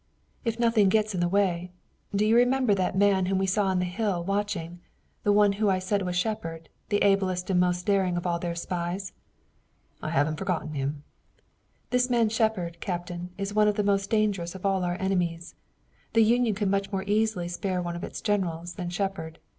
"If nothing gets in the way. Do you remember that man whom we saw on the hill watching, the one who I said was Shepard, the ablest and most daring of all their spies?" "I haven't forgotten him." "This man Shepard, Captain, is one of the most dangerous of all our enemies. The Union could much more easily spare one of its generals than Shepard.